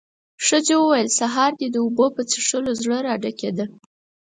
ښځې وويل: سهار دې د اوبو په څښلو زړه راډکېده.